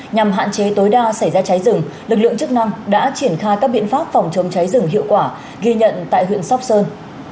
nhằm hạn chế tối đa xảy ra cháy rừng lực lượng chức năng đã triển khai các biện pháp phòng chống cháy rừng hiệu quả ghi nhận tại huyện sóc sơn